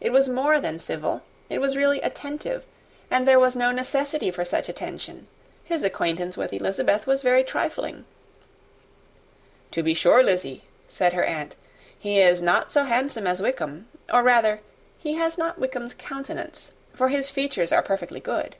It was more than civil; it was really attentive; and there was no necessity for such attention. His acquaintance with Elizabeth was very trifling." "To be sure, Lizzy," said her aunt, "he is not so handsome as Wickham; or rather he has not Wickham's countenance, for his features are perfectly good.